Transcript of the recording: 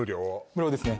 無料ですね